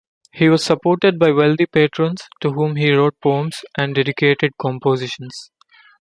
He was supported by wealthy patrons, to whom he wrote poems and dedicated compositions.